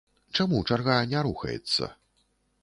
Чаму чарга не рухаецца?